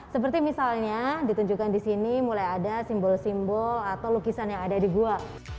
seperti misalnya ditunjukkan di sini mulai ada simbol simbol atau lukisan yang ada di gua